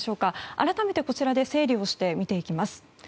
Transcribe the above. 改めて、こちらで整理をして見ていきます。